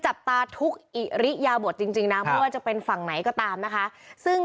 จับตาทุกอิริยาบทจริงจริงนะไม่ว่าจะเป็นฝั่งไหนก็ตามนะคะซึ่ง